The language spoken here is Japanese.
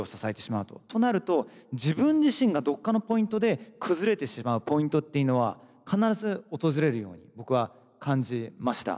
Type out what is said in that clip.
となると自分自身がどこかのポイントで崩れてしまうポイントっていうのは必ず訪れるように僕は感じました。